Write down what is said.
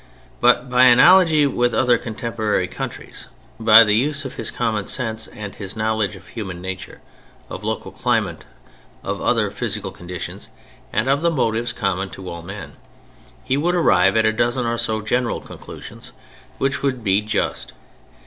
But by analogy with other contemporary countries, by the use of his common sense and his knowledge of human nature, of local climate, of other physical conditions, and of the motives common to all men, he would arrive at a dozen or so general conclusions which would be just.